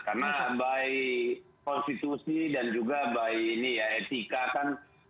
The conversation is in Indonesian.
karena baik konstitusi dan juga baik etika kan